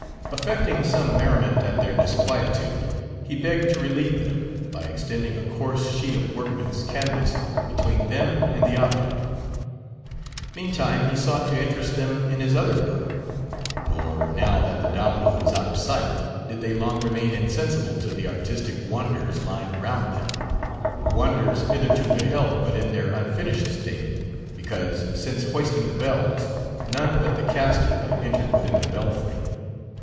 Affecting some merriment at their disquietude, he begged to relieve them, by extending a coarse sheet of workman's canvas between them and the object. Meantime he sought to interest them in his other work; nor, now that the domino was out of sight, did they long remain insensible to the artistic wonders lying round them; wonders hitherto beheld but in their unfinished state; because, since hoisting the bells, none but the caster had entered within the belfry.